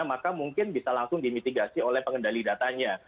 maka mungkin bisa langsung dimitigasi oleh pengendali datanya